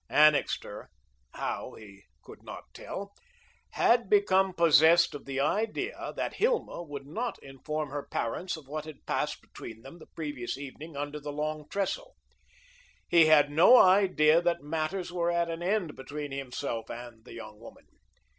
Annixter how, he could not tell had become possessed of the idea that Hilma would not inform her parents of what had passed between them the previous evening under the Long Trestle. He had no idea that matters were at an end between himself and the young woman.